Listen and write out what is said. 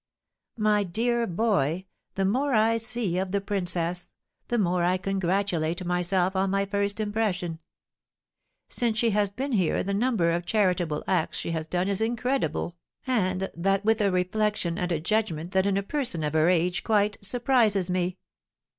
"My dear boy, the more I see of the princess, the more I congratulate myself on my first impression. Since she has been here the number of charitable acts she has done is incredible, and that with a reflection and a judgment that in a person of her age quite surprises me.